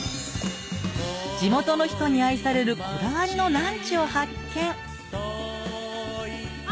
地元の人に愛されるこだわりのランチを発見あ！